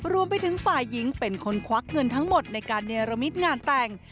รวมไปถึงฝ่ายหญิงเป็นคนควักเงินทั้งหมดในการเนรมิตงานแต่ง